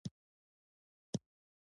تللی پېښور ته زموږ د خاورې بېپاري کوي